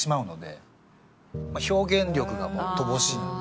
表現力がもう乏しいんで。